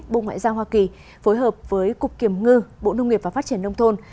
bộ ngoại giao hoa kỳ phối hợp với cục kiểm ngư bộ nông nghiệp và phát triển nông thôn